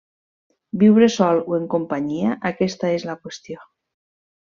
Viure sol o en companyia, aquesta és la qüestió.